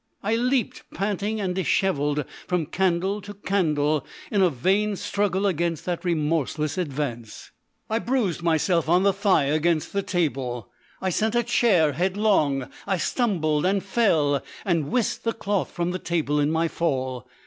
I leaped panting and dishevelled from candle to candle, in a vain struggle against that remorseless advance. I bruised myself on the thigh against the table, I sent a chair headlong, I stumbled and fell and whisked the cloth from the table in my fall.